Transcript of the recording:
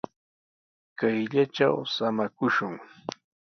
Kayllatraw samakushun.